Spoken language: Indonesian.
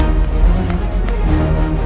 aku akan menang